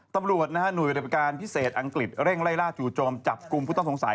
สำนักงานข่าวต่างประเทศรายงานความคืบหน้า